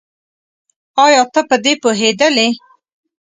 ايا ته په دې پوهېدلې؟